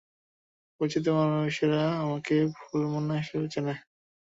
পরিচিত মানুষেরা আমাকে ভুলোমনা হিসেবে চেনে।